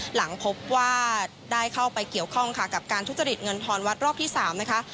หลังพบว่าได้เข้าไปเกี่ยวข้องค่ะกับการทุจริตเงินทอนวัดรอบที่๓นะคะ